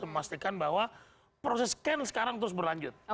memastikan bahwa proses scan sekarang terus berlanjut